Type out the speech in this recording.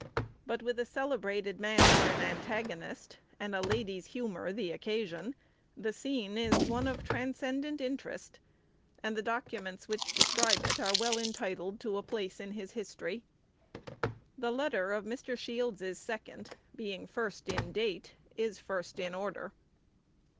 But with a celebrated man for an antagonist, and a lady's humor the occasion, the scene is one of transcendent interest; and the documents which describe it are well entitled to a place in his history. The letter of Mr. Shields's second, being first in date, is first in order.